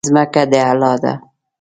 ځمکه د الله ده.